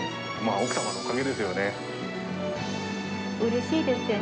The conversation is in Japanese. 奥様のおかげですよね。